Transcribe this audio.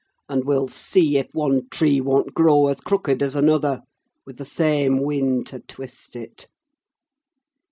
And we'll see if one tree won't grow as crooked as another, with the same wind to twist it!"